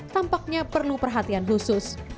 tampaknya perlu perhatian khusus